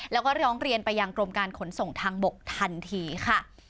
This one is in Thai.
แล้วก็ร้องเรียนไปยังกรมการขนส่งทางบกทันทีค่ะ